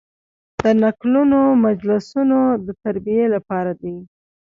د نکلونو مجلسونه د تربیې لپاره دي.